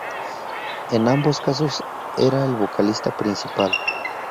En ambos casos era el vocalista principal.